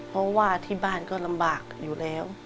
เพราะว่าที่บ้านก็ลำบากอยู่แล้ว